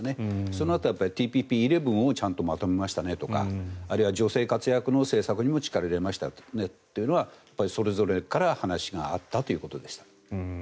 そのあと、ＴＰＰ１１をちゃんとまとめましたねとかあるいは女性活躍の政策にも力を入れましたというそれぞれから話があったということでした。